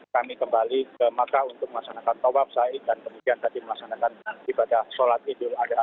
kami kembali ke mekah untuk melaksanakan tawaf sa'id dan kemudian tadi melaksanakan ibadah sholat id